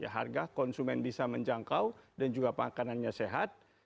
harga konsumen bisa menjangkau dan juga panganannya sehat